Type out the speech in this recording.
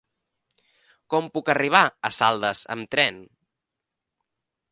Com puc arribar a Saldes amb tren?